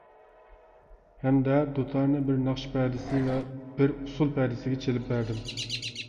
ھەمدە دۇتارنى بىر ناخشا پەدىسى ۋە بىر ئۇسۇل پەدىسىگە چېلىپ بەردىم.